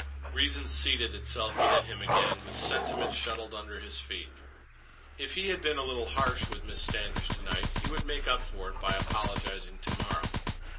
Reason seated itself within him again, with sentiment shuttled under his feet. If he had been a little harsh with Miss Standish tonight, he would make up for it by apologizing tomorrow.